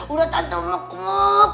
udah cantik lemuk lemuk